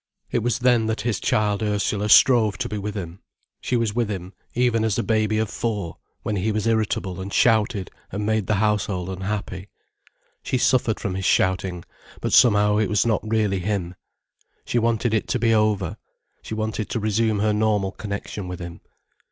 It was then that his child Ursula strove to be with him. She was with him, even as a baby of four, when he was irritable and shouted and made the household unhappy. She suffered from his shouting, but somehow it was not really him. She wanted it to be over, she wanted to resume her normal connection with him.